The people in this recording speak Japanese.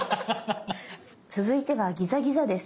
続いてはギザギザです。